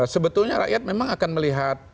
sebetulnya rakyat memang akan melihat